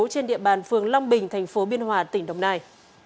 trên địa bàn phường long bình thành phố biên hòa tỉnh đồng nai